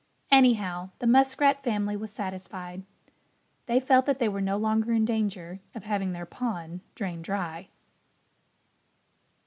Anyhow, the Muskrat family was satisfied. They felt that they were no longer in danger of having their pond drained dry.